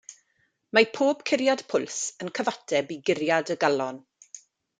Mae pob curiad pwls yn cyfateb i guriad y galon.